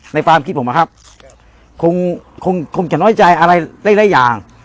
ในความคิดผมอ่ะครับคงคงคงจะน้อยใจอะไรอะไรอย่าง